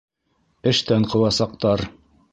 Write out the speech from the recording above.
Эштән ҡыуасаҡтар!